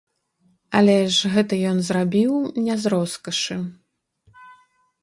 Але ж гэта ён зрабіў не з роскашы!